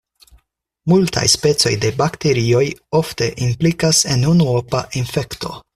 Multaj specoj de bakterioj ofte implikas en unuopa infekto.